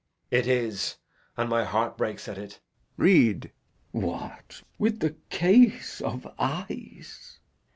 It is, And my heart breaks at it. Lear. Read. Glou. What, with the case of eyes?